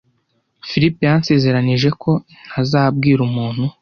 Philip yansezeranije ko ntazabwira umuntu.